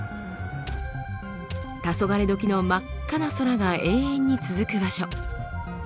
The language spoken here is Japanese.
黄昏時の真っ赤な空が永遠に続く場所。